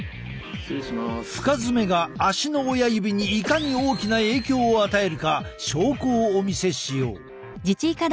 深爪が足の親指にいかに大きな影響を与えるか証拠をお見せしよう。